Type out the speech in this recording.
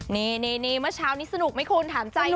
นี่เมื่อเช้านี้สนุกไหมคุณถามใจ